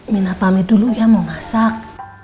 mina pamit dulu ya mau masak